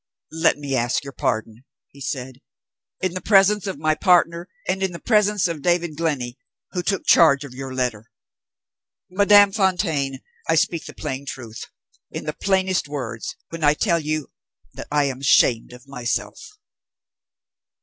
"Let me ask your pardon," he said, "in the presence of my partner and in the presence of David Glenney, who took charge of your letter. Madame Fontaine, I speak the plain truth, in the plainest words, when I tell you that I am ashamed of myself."